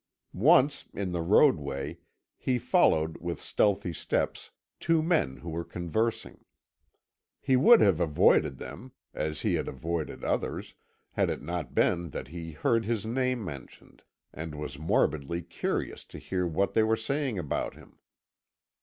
Once, in the roadway, he followed with stealthy steps two men who were conversing. He would have avoided them, as he had avoided others, had it not been that he heard his name mentioned, and was morbidly curious to hear what they were saying about him.